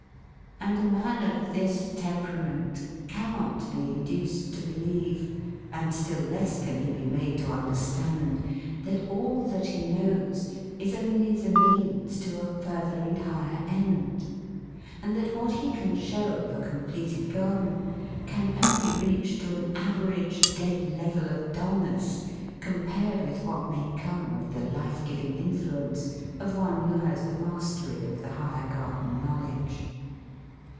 And a man of this temperament cannot be induced to believe, and still less can he be made to understand, that all that he knows is only the means to a further and higher end, and that what he can show of a completed garden can only reach to an average dead level of dulness compared with what may come of the life giving influence of one who has the mastery of the higher garden knowledge.